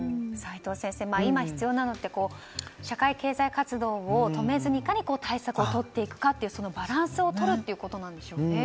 齋藤先生、今必要なのは社会経済活動を止めずに、いかに対策をとっていくかというバランスをとるということなんでしょうね。